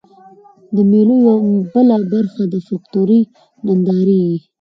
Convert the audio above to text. د مېلو یوه بله برخه د فکلوري نندارې يي.